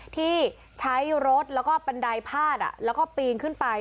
ที่ใช้รถแล้วก็บันไดพาดแล้วก็ปีนขึ้นไป